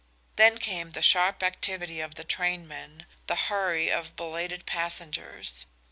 Then came the sharp activity of the trainmen, the hurry of belated passengers.